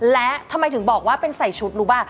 และทำไมถึงบอกว่าเป็นใส่ชุดรู้ป่ะ